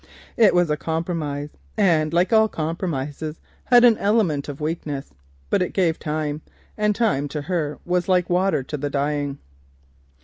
It was a compromise, and like all compromises had an element of weakness; but it gave time, and time to her was like breath to the dying.